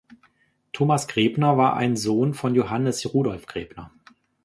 Thomas Grebner war ein Sohn von Johannes Rudolph Grebner.